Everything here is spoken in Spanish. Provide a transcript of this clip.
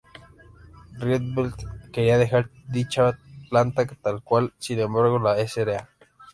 Rietveld quería dejar dicha planta tal cual, sin embargo la Sra.